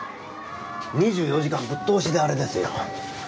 ２４時間ぶっ通しであれですよ。